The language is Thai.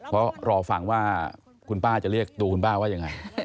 เพราะรอฟังว่าคุณป้าจะเรียกตัวคุณป้าว่ายังไง